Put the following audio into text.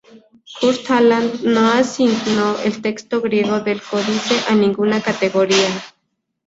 Kurt Aland no asignó el texto griego del códice a ninguna categoría.